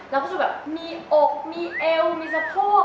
เราก็จะแบบมีอกมีเอวมีสะโพก